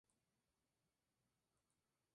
Es nativa del África tropical.